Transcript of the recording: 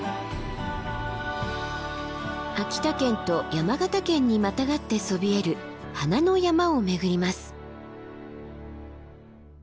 秋田県と山形県にまたがってそびえる花の山を巡ります。